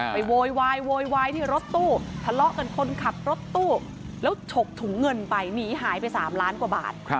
ไปโวยวายโวยวายรถตู้ทลอกกันคนขับรถตู้ก็ผลักถึงถุงเงินไปหายไปสามล้านกว่าบาท